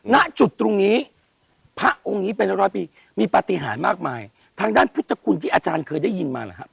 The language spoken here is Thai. นะจุดตรงนี้พระองค์นี้ได้รอไปมีประติหาญมากมายทางด้านผู้ช่างคุณที่อาจารย์เคยได้ยินนะครับผู้ช่างคุณ